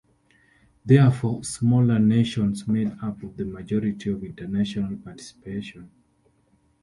Therefore, smaller nations made up the majority of the international participation.